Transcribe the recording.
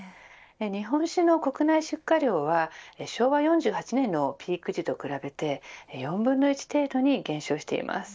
日本酒の国内出荷量は昭和４８年のピーク時と比べて４分の１程度に減少しています。